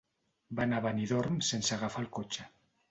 Va anar a Benidorm sense agafar el cotxe.